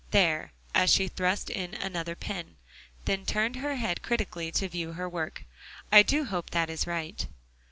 There," as she thrust in another pin, then turned her head critically to view her work, "I do hope that is right."